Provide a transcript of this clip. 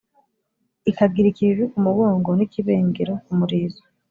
ikagira ikibibi ku mugongo n’ikibengero ku murizo.